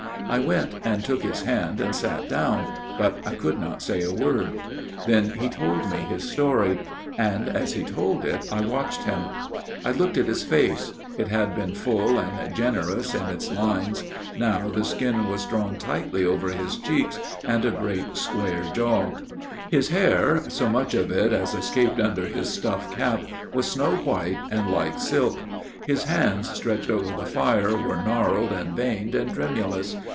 " I went and took his hand and sat down, but I could not say a word. Then he told me his story ; and as he told it I watched him. I looked at his face ; it had been full and generous in its 82 A MIRROR OF SHALOTT lines, now the skin was drawn tightly over his cheeks and great square jaw. His hair, so much of it as escaped under his stuff cap, was snow white, and like silk. His hands, stretched over the fire, were gnarled and veined and tremulous.